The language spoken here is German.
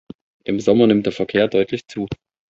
Im Sommer nimmt der Verkehr deutlich zu.